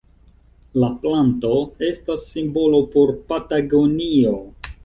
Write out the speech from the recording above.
La planto estas simbolo por Patagonio.